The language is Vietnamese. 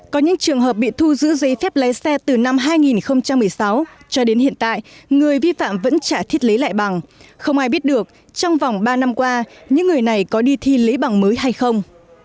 có những trường hợp bị thu giữ giấy phép lái xe từ năm hai nghìn một mươi sáu cho đến hiện tại người vi phạm vẫn trả thiết lấy lại bằng không ai biết được trong vòng ba năm qua những người này có đi thi lấy bằng mới hay không